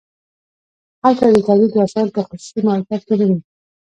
هلته د تولید وسایل په خصوصي مالکیت کې نه وي